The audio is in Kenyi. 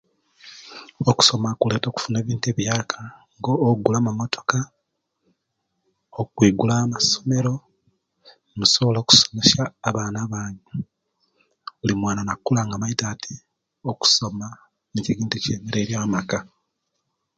Okusoma kuleta okufuna ebintu ebiyaka ogula amamotoka, okwigulawo amasomero nosobola okusomesya abaana banyu buli mwana nakula nga amaite ati okusoma nikyo ekintu ekyemeriere wo amaka